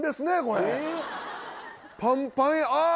これパンパンやあ